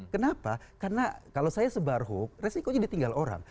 kenapa karena kalau saya sebarhuk resiko jadi ditinggal orang